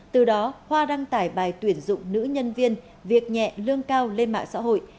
từ đó hoa đăng tải bài tuyển dụng nữ nhân viên việc nhẹ lương cao lên mạng xã hội